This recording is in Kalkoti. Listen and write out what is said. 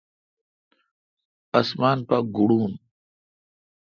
اسمان پاگوڑون۔